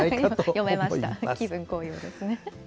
読めました、気分高揚ですね。